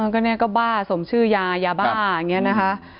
ก็เนี่ยก็บ้าสมชื่อยายาบ้าอย่างนี้นะคะ